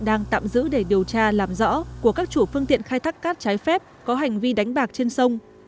đang tạm giữ để điều tra làm rõ của các chủ phương tiện khai thác cát trái phép có hành vi đánh bạc trên sông